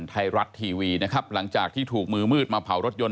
ไทยรัฐทีวีนะครับหลังจากที่ถูกมือมืดมาเผารถยนต